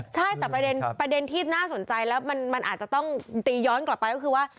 ใช่แต่ประเด็นที่น่าสนใจแล้วมันอาจจะต้องตีย้อนกลับไปก็คือว่า